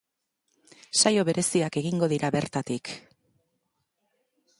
Saio bereziak egingo dira bertatik.